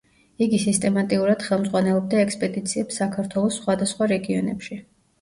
იგი სისტემატიურად ხელმძღვანელობდა ექსპედიციებს საქართველოს სახვადასხვა რეგიონებში.